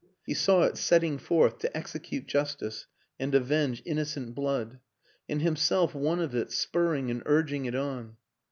He saw it setting forth to execute justice and avenge innocent blood ... and himself one of it, spurring and urging it on.